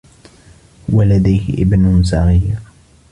هو لديه ابن صغير.